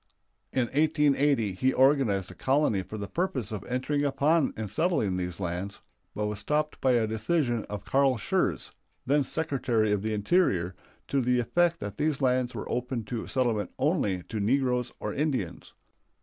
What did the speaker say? In 1880 he organized a colony for the purpose of entering upon and settling these lands, but was stopped by a decision of Carl Schurz, then Secretary of the Interior, to the effect that these lands were open to settlement only to negroes or Indians.